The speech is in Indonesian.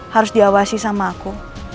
harus diawasi sama aku